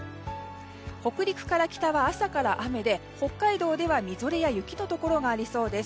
北陸から北は朝から雨で北海道では、みぞれや雪のところがありそうです。